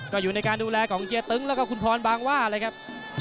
ก็อยู่ในการดูแลของเฮตึ้งแล้วก็คุณพรบางว่าเลยครับ